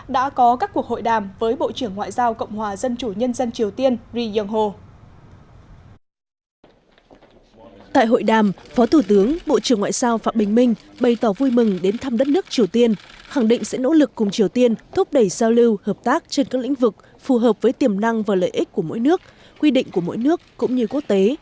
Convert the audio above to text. đã có các cuộc hội đàm với bộ trưởng ngoại giao cộng hòa dân chủ nhân dân triều tiên ri young ho